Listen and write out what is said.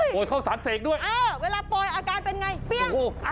ปล่อยข้าวสัตว์เสกด้วยเออเวลาปล่อยอาการเป็นไงปล่อย